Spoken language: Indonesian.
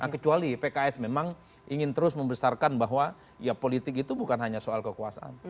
nah kecuali pks memang ingin terus membesarkan bahwa ya politik itu bukan hanya soal kekuasaan